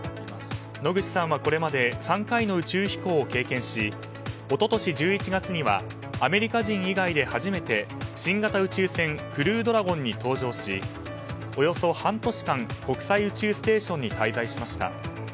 野口さんはこれまで３回の宇宙飛行を経験し一昨年１１月にはアメリカ人以外で初めて新型宇宙船「クルードラゴン」に搭乗しおよそ半年間国際宇宙ステーションに滞在しました。